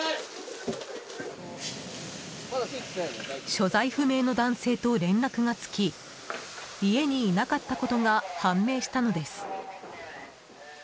所在不明の男性と連絡がつき家にいなかったことが判明したのです。